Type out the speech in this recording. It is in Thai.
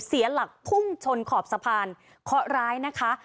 เสียหลักพุ่งชนขอบสะพานเคาะร้ายนะคะ